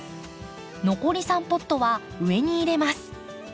残り３ポットは上に入れます。